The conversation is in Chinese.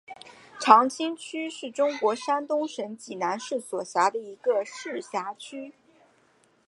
长清区是中国山东省济南市所辖的一个市辖区。